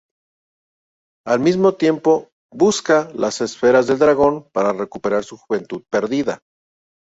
Al mismo tiempo, busca las esferas del dragón para recuperar su juventud perdida.